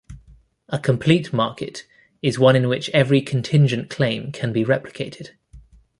A complete market is one in which every contingent claim can be replicated.